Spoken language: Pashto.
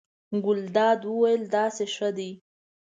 ګلداد وویل: داسې ښه دی.